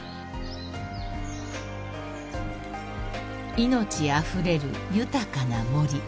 ［命あふれる豊かな森］